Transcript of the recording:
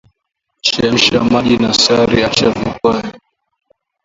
Chemsha maji na sukari acha vipoe